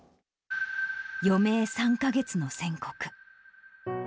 余命３か月の宣告。